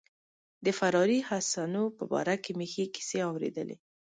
د فراري حسنو په باره کې مې ښې کیسې اوریدلي.